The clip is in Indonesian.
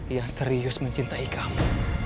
yang serius mencintai kamu